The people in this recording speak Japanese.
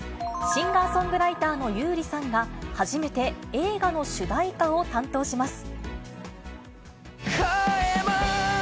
シンガーソングライターの優里さんが、初めて映画の主題歌を担当します。